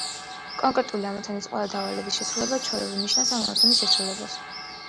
კონკრეტული ამოცანის ყველა დავალების შესრულება ჩვეულებრივ ნიშნავს ამ ამოცანის შესრულებას.